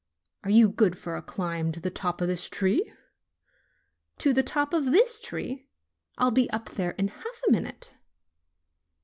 "Are you good for a climb to the top of this tree?" 'To the top of this tree? I'll be up there in half a minute."